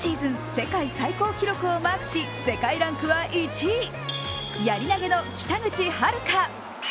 世界最高記録をマークし世界ランクは１位、やり投の北口榛花。